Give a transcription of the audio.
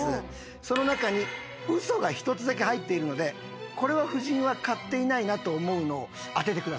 その中に嘘が一つだけ入っているのでこれは夫人は買っていないなと思うのを当ててください。